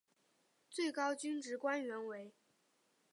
最高军职官员为。